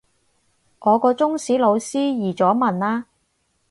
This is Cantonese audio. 我個中史老師移咗民喇